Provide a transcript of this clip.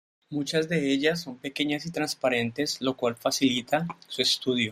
Muchas de ellas son pequeñas y transparentes lo cual facilita su estudio.